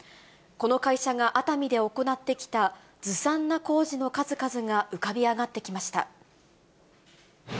この会社が熱海で行ってきたずさんな工事の数々が浮かび上がってきました。